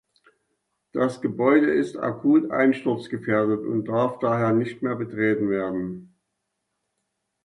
Das Gebäude ist akut einsturzgefährdet und darf daher nicht mehr betreten werden.